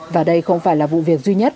và đây không phải là vụ việc duy nhất